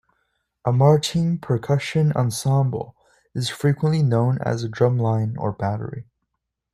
A marching percussion ensemble is frequently known as a drumline or battery.